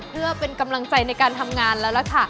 เพื่อเป็นกำลังใจในการทำงานแล้วล่ะค่ะ